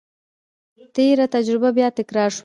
تېره تجربه بیا تکرار شوه.